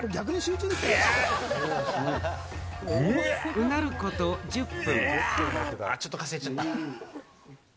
うなること１０分。